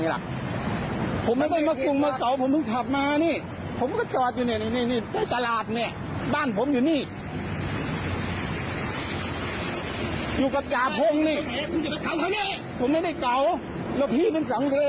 แล้วพี่เป็นสังเกินพี่เป็นปูนอะไรรีบมาไล่ผมหล่องได้อย่างไร